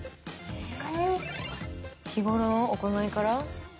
日頃の行いから？